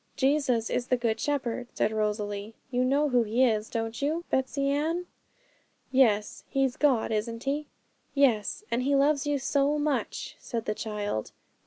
'Jesus is the Good Shepherd,' said Rosalie; 'you know who He is, don't you, Betsey Ann?' 'Yes, He's God, isn't He?' 'Yes and He loves you so much,' said the child.